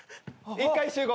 一回集合！